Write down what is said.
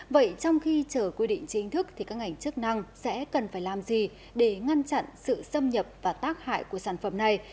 vậy trong khi chở quy định chính thức thì các ngành chức năng sẽ cần phải làm gì để ngăn chặn sự xâm nhập và tác hại của sản phẩm này